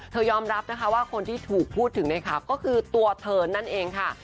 ยอมรับนะคะว่าคนที่ถูกพูดถึงในข่าวก็คือตัวเธอนั่นเองค่ะ